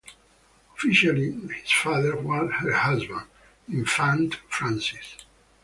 Officially, his father was her husband, Infante Francis.